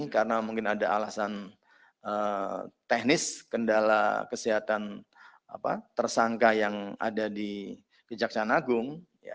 karena mungkin ada alasan teknis kendala kesehatan tersangka yang ada di kejaksaan agung